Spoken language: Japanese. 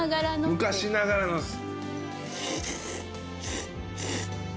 昔ながらのです。